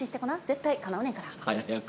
絶対叶うねんから。